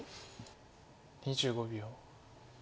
２５秒。